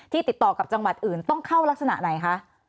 ติดต่อกับจังหวัดอื่นต้องเข้ารักษณะไหนคะ